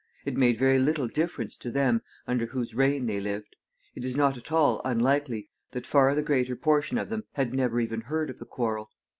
It made very little difference to them under whose reign they lived. It is not at all unlikely that far the greater portion of them had never even heard of the quarrel.